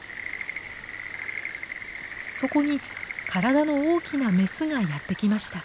そこに体の大きなメスがやって来ました。